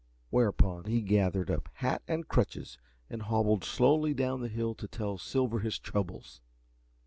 Whereupon he gathered up hat and crutches, and hobbled slowly down the hill to tell Silver his troubles.